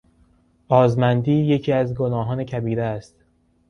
آزمندی یکی از گناهان کبیره است.